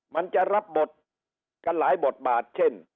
มันจะรับบทกันหลายบทบาทเช่น